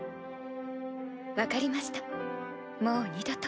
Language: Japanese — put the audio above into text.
分かりましたもう二度と。